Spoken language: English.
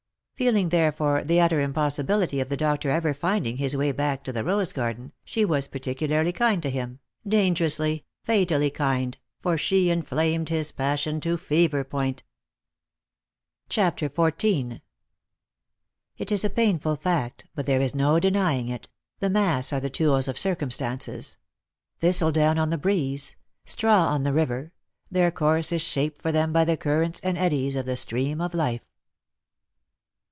Feel ing therefore the utter impossibility of the doctor ever finding his way back to the rose garden, she was particularly kind to him — dangerously, fatally kind — for she inflamed his passion to fever point. 124 Lost for Love. CHAPTER XIV. " It is a painful fact, but there is no denying it, the mass are the tools of cir cumstances : thistledown on the breeze, straw on the river, their course is shaped for them by the currents and eddies of the stream of life."